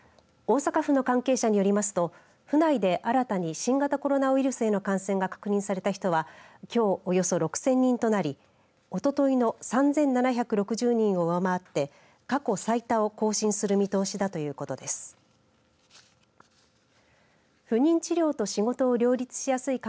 大阪府の関係者によりますと府内で新たに新型コロナウイルスへの感染が確認された人はおよそ６０００人となりおとといの３７６０人を上回って過去最多を更新する見通しだということです。